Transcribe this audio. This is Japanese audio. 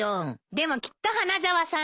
でもきっと花沢さんね。